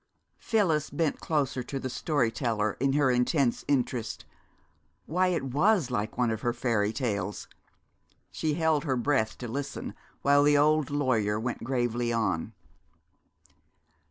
Phyllis bent closer to the story teller in her intense interest. Why, it was like one of her fairy tales! She held her breath to listen, while the old lawyer went gravely on.